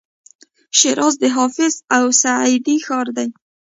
شیراز د حافظ او سعدي ښار دی.